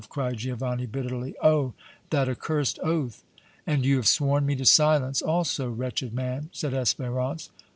cried Giovanni, bitterly. "Oh! that accursed oath!" "And you have sworn me to silence, also, wretched man!" said Espérance.